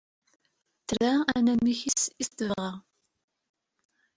Tra, anamek-is tebɣa.